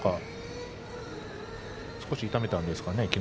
少し痛めたんですかね